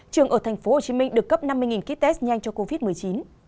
trường ở tp hcm được cấp năm mươi kit test nhanh cho covid một mươi chín